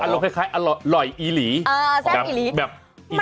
แล้วก็อร่อยอีหลีแซบอีหลี